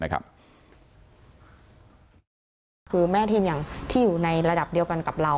คือแม่คือแม่ทีมอย่างที่อยู่ในระดับเดียวกันกับเรา